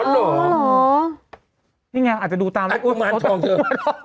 อ๋อเหรอนี่ไงอาจจะดูตามอ้าวอุ้ยมาอันทองเถอะ